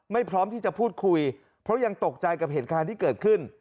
พร้อมที่จะพูดคุยเพราะยังตกใจกับเหตุการณ์ที่เกิดขึ้น